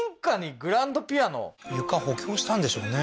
床補強したんでしょうね